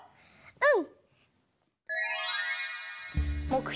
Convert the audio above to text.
うん！